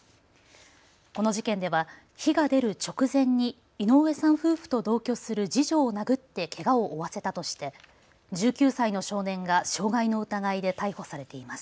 この事件では火が出る直前に井上さん夫婦と同居する次女を殴ってけがを負わせたとして１９歳の少年が傷害の疑いで逮捕されています。